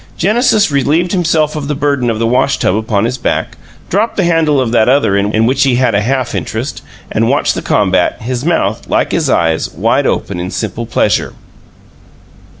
Genesis relieved himself of the burden of the wash tub upon his back, dropped the handle of that other in which he had a half interest, and watched the combat; his mouth, like his eyes, wide open in simple pleasure.